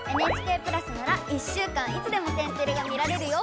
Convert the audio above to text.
ＮＨＫプラスなら１週間いつでも「天てれ」が見られるよ。